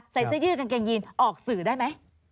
ใส่เสื้อยืดกางเกงยีนออกสื่อได้ไหม